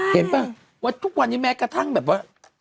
เห็นป่ะว่าทุกวันนี้แม่กระทั่งแบบกระทั่งแบบว่า